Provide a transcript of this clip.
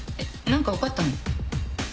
何か分かったの？